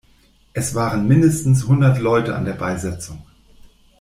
Es waren mindestens hundert Leute an der Beisetzung.